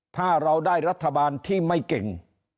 ถ้าเราได้รัฐบาลที่ไม่เก่ง